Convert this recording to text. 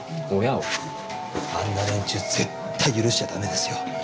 あんな連中絶対許しちゃダメですよ。